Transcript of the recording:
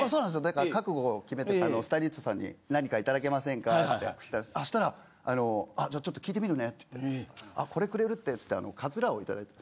だから覚悟を決めてスタイリストさんに「何か頂けませんか？」ってそしたら「じゃあちょっと聞いてみるね」って言って「これくれるって」っつって。